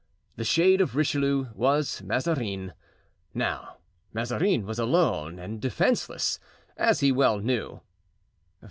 The shade of Richelieu was Mazarin. Now Mazarin was alone and defenceless, as he well knew.